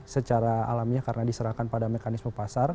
secara alamiah karena diserahkan pada mekanisme pasar